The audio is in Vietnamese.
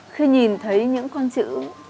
khi nhìn thấy những con chữ